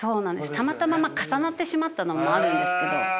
たまたま重なってしまったのもあるんですけど。